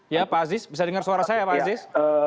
ya pak aziz bisa dengar suara saya pak aziz